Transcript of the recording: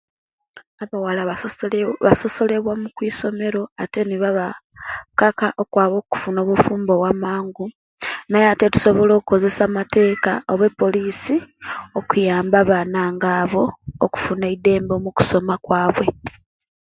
Abawala basosole basosolebwa okwisomero ate nebabaakaka okwaba okufuna obufumbo bwamangu naye ate tusobola okukozesia amateeka oba polisi okuyamba abaana nga abo okufuna eidembe mukusoma kwabwe